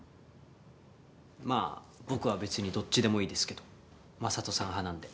まあ僕はべつにどっちでもいいですけどＭａｓａｔｏさん派なんで。